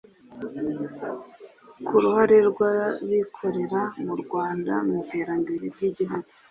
ku ruhare rw’abikorera mu Rwanda mu iterambere ry’igihugu